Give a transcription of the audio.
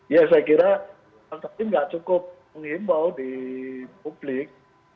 iya saya kira tapi nggak cukup menghimbau di publik